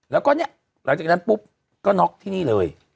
แล้วก็เนี่ยหลังจากนั้นปุ๊บก็น็อกที่นี่เลย